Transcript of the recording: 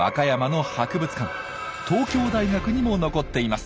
東京大学にも残っています。